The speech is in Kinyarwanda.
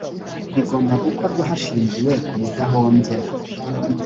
bigomba gukorwa hashingiwe ku bidahombya